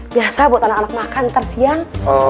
biasa buat anak anak makan ntar siang